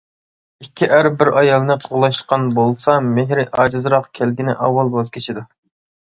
ئىككى ئەر بىر ئايالنى قوغلاشقان بولسا مېھرى ئاجىزراق كەلگىنى ئاۋۋال ۋاز كېچىدۇ.